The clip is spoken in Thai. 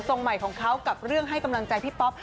ส่งใหม่ของเขากับเรื่องให้กำลังใจพี่ป๊อป